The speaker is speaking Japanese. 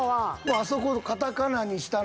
あそこカタカナにしたの